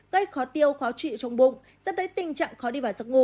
gây khó tiêu khó chịu trong bụng dẫn tới tình trạng khó đi vào giấc ngủ